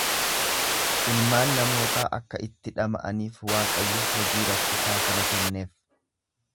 ilmaan namootaa akka itti dhama'aniif Waaqayyo hojii rakkisaa kana kenneef.